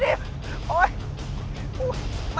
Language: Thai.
เราต้องตามหนูวะ